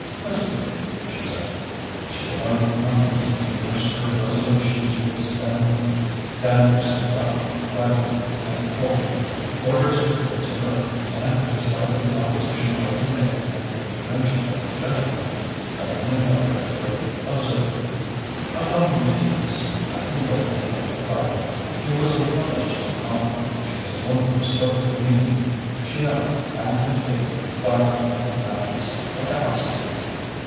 'Presently,' she said. She divined the contents, and nursed her resolution to withstand them. Danvers had brought firewood and coal. Orders were given to her, and in spite of the opposition of the maid and intervention of the gentleman, Diana knelt at the grate, observing: 'Allow me to do this. I can lay and light a fire.' He was obliged to look on: she was a woman who spoke her meaning. She knelt, handling paper, firewood and matches, like a housemaid.